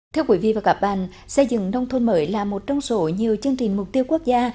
thưa quý vị và các bạn xây dựng nông thôn mới là một trong số nhiều chương trình mục tiêu quốc gia